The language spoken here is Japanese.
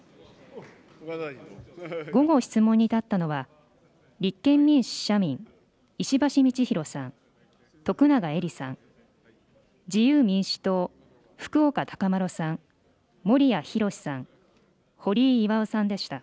午後、質問に立ったのは、立憲民主・社民、石橋通宏さん、徳永エリさん、自由民主党、福岡資麿さん、森屋宏さん、堀井巌さんでした。